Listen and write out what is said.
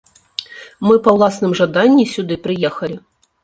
Мы па ўласным жаданні сюды прыехалі.